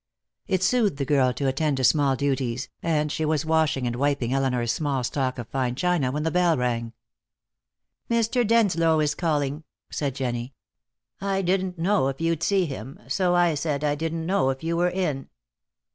It soothed the girl to attend to small duties, and she was washing and wiping Elinor's small stock of fine china when the bell rang. "Mr. Denslow is calling," said Jennie. "I didn't know if you'd see him, so I said I didn't know if you were in."